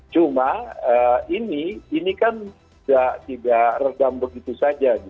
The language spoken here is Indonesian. cuma ini kan tidak redam begitu saja